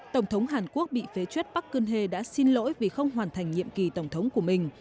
tổng thống hàn quốc bị phế chuất park kun hez đã xin lỗi vì không hoàn thành nhiệm kỳ tổng thống của mình